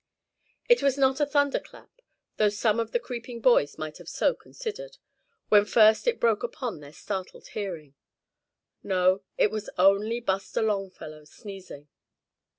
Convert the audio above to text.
It was not a thunder clap, though some of the creeping boys might have so considered, when first it broke upon their startled hearing. No, it was only Buster Longfellow sneezing.